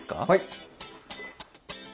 はい。